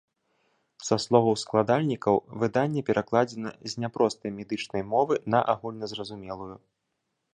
Са словаў складальнікаў, выданне перакладзена з няпростай медычнай мовы на агульназразумелую.